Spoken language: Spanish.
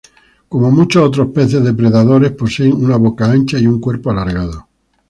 Como muchos otros peces depredadores, poseen una boca ancha y un cuerpo alargado.